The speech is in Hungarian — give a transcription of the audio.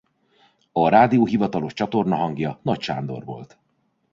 A rádió hivatalos csatornahangja Nagy Sándor volt.